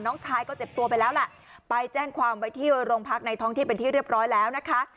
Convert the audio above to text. น้องชายก็เจ็บตัวไปแล้วแหละไปแจ้งความไว้ที่โรงพักในท้องที่เป็นที่เรียบร้อยแล้วนะคะ